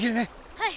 はい！